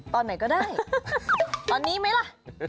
ตอนไหนก็ได้ตอนนี้ไหมล่ะ